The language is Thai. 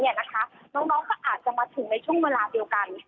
และวันนี้น้องก็อาจจะมาถึงในช่วงเวลาเดียวกัน